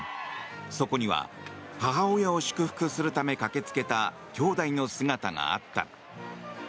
そこには母親を祝福するため駆け付けた兄妹の姿があった。